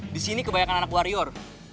di sini kebanyakan anak warrior